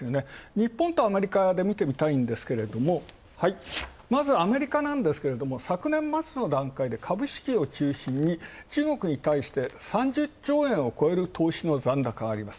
日本とアメリカで見てみたいんですが、まずアメリカなんですが、昨年末の段階で株式を中心に中国に対して３０兆円を超える投資の残高がある。